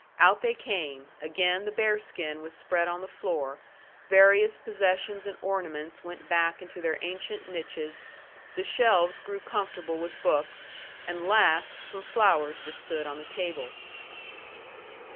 Out they came; again the bearskin was spread on the floor, various possessions and ornaments went back into their ancient niches, the shelves grew comfortable with books, and, last, some flowers were stood on the table.